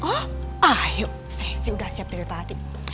wah ayo saya udah siap dari tadi